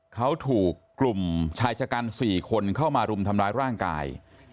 เขาถูกกลุ่มชายชะกัน๔คนเข้ามารุมทำร้ายร่างกาย